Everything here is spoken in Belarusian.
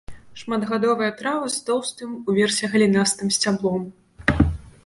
Шматгадовыя травы з тоўстым, уверсе галінастым сцяблом.